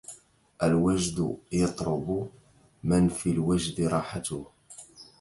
الوجد يطرب من في الوجد راحته